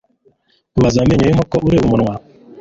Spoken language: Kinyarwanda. kubaza amenyo y'inkoko ureba umunwa